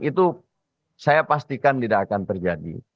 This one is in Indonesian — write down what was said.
itu saya pastikan tidak akan terjadi